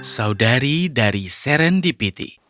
saudari dari serendipity